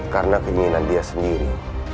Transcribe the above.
karena keinginan dia sendiri